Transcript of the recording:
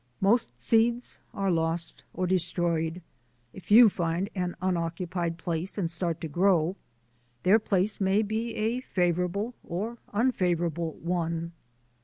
Most seeds are lost or destroyed. A few find an unoccupied place and start to grow. Their place may be a favourable or unfavourable one.